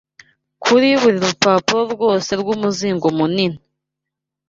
Kuri buri rupapuro rwose rw’umuzingo munini